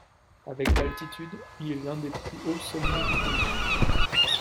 Avec d'altitude, il est l'un des plus hauts sommets du pays.